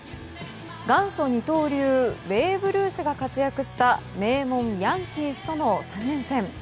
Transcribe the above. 元祖二刀流ベーブ・ルースが活躍した名門ヤンキースとの３連戦。